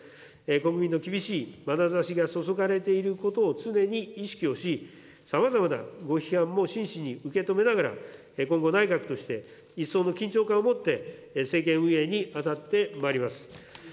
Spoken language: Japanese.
国民の厳しいまなざしが注がれていることを常に意識をし、さまざまなご批判も真摯に受け止めながら、今後、内閣として一層の緊張感を持って、政権運営に当たってまいります。